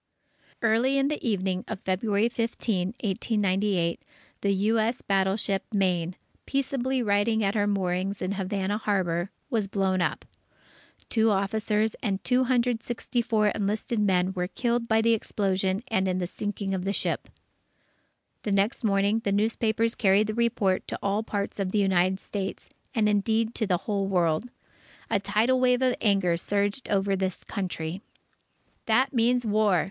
Early in the evening of February 15, 1898, the U. S. battleship Maine, peaceably riding at her moorings in Havana Harbour, was blown up. Two officers and 264 enlisted men were killed by the explosion and in the sinking of the ship. The next morning, the newspapers carried the report to all parts of the United States, and, indeed, to the whole world. A tidal wave of anger surged over this Country. "That means war!"